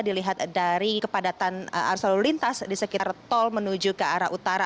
dilihat dari kepadatan arus lalu lintas di sekitar tol menuju ke arah utara